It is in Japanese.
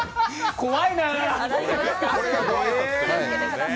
怖いなあ。